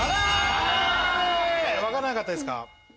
分かんなかったですか？